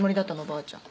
ばあちゃん